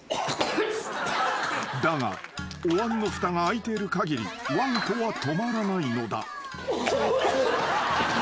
［だがおわんのふたが開いているかぎりわんこは止まらないのだ］